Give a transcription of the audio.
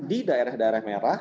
di daerah daerah merah